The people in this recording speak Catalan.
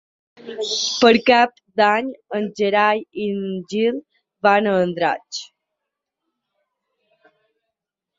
Per Cap d'Any en Gerai i en Gil van a Andratx.